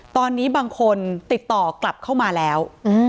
ตอนนี้บางคนติดต่อกลับเข้ามาแล้ว